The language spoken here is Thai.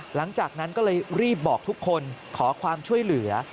หลังจากนั้นก็เลยรีบบอกทุกคนขอความช่วยเหลือ